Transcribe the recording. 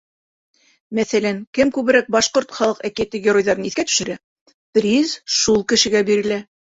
Мәҫәлән, кем күберәк башҡорт халыҡ әкиәте геройҙарын иҫкә төшөрә, приз шул кешегә бирелә.